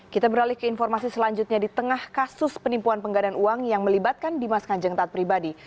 kita beralih ke informasi selanjutnya di tengah kasus penipuan penggandaan uang yang melibatkan dimas kanjeng taat pribadi